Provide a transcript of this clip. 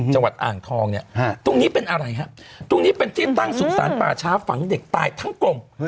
จังหวัดอ่างทองเนี่ยตรงนี้เป็นอะไรฮะตรงนี้เป็นที่ตั้งสุสานป่าช้าฝังเด็กตายทั้งกลม